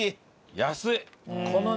安い！